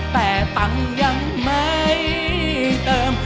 แต่ตังค์ยังไม่เติม